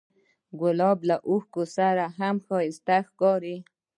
ګلاب له اوښکو سره هم ښایسته ښکاري.